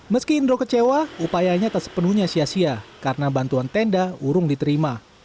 meski indro kecewa upayanya tak sepenuhnya sia sia karena bantuan tenda urung diterima